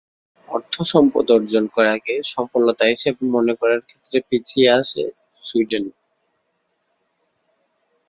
অর্থসম্পদ অর্জন করাকে সফলতা হিসেবে মনে করার ক্ষেত্রে পিছিয়ে আছে সুইডেন।